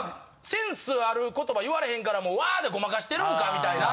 センスある言葉言われへんからもうわ！でごまかしてるんかみたいな。